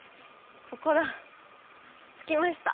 ここだ着きました。